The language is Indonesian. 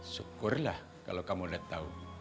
syukurlah kalau kamu udah tahu